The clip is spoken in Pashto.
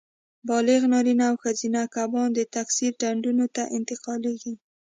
بالغ نارینه او ښځینه کبان د تکثیر ډنډونو ته انتقالېږي.